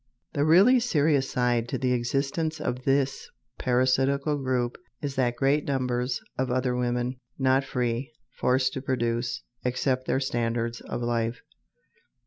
The really serious side to the existence of this parasitical group is that great numbers of other women, not free, forced to produce, accept their standards of life.